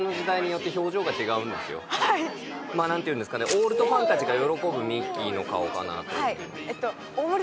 オールドファンたちが喜ぶミッキーの形かなって。